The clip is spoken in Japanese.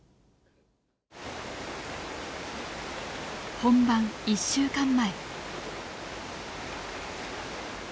本番１週間前。